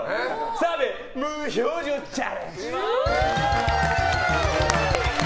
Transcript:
澤部無表情チャレンジ。